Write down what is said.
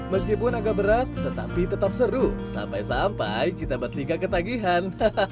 meskipun agak berat tetapi tetap seru sampai sampai kita bertiga ketagihan